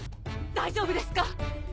大丈夫ですか！？